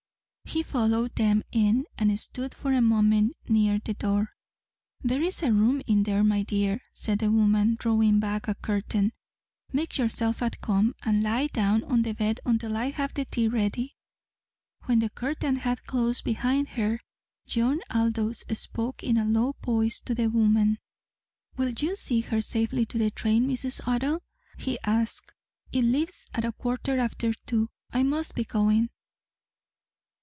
He followed them in, and stood for a moment near the door. "There's a room in there, my dear," said the woman, drawing back a curtain. "Make yourself at home, and lie down on the bed until I have the tea ready." When the curtain had closed behind her, John Aldous spoke in a low voice to the woman. "Will you see her safely to the train, Mrs. Otto?" he asked. "It leaves at a quarter after two. I must be going."